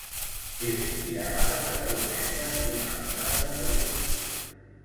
Té un diàmetre de deu metres i una alçada de tretze.